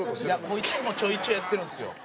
こいつもちょいちょいやってるんですよ。